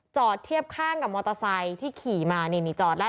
จอดเทียบข้างกับมอเตอร์ไซค์ที่ขี่มานี่นี่จอดแล้ว